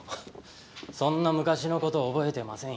そんな昔の事覚えてませんよ。